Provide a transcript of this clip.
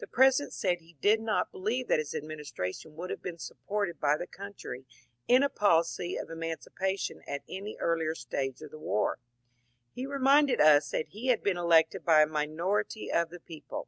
The President said he did not believe that his administration would have been supported by INTERVIEW WITH LINCOLN 381 the country in a policy of emancipation at any earlier stage of the war. He reminded us that he had been elected by a minority of the people.